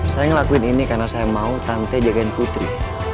saya ngelakuin ini karena saya mau tante jagain putri